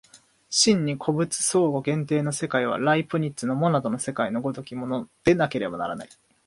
真に個物相互限定の世界は、ライプニッツのモナドの世界の如きものでなければならない。